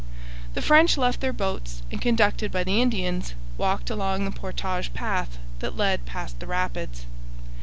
The French left their boats and, conducted by the Indians, walked along the portage path that led past the rapids.